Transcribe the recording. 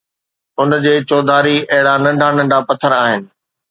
ان جي چوڌاري اهڙا ننڍا ننڍا پٿر آهن